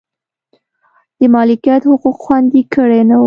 د مالکیت حقوق خوندي کړي نه و.